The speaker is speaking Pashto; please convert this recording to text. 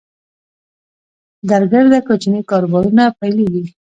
درګرده کوچني کاروبارونه پیلېږي